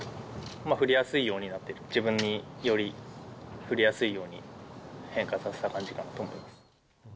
振りやすいようにはなってる、自分により振りやすいように、変化させた感じかなと思います。